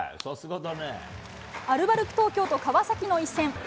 アルバルク東京と川崎の一戦。